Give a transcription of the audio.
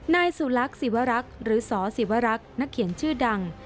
นายสุรักษศิวรักษ์หรือสศิวรักษ์นักเขียนชื่อดัง